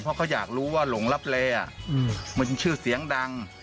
เพราะเขาอยากรู้ว่าหลงลับเลมันชื่อเสียงดัง